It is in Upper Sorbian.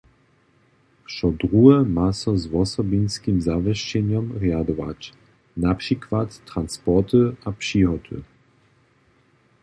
Wšo druhe ma so z wosobinskim zawěsćenjom rjadować, na přikład transporty a přihoty.